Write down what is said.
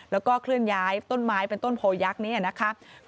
แล้วก็เคลื่อนย้ายต้นไม้เป็นต้นโพยักษ์นี้นะครับ